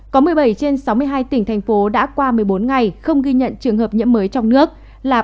có một mươi bảy trên sáu mươi hai tỉnh thành phố đã qua một mươi bốn ngày không ghi nhận trường hợp nhiễm mới trong nước là